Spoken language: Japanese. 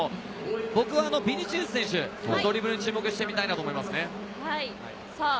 僕はビニシウス選手のドリブルに注目して見たいと思います。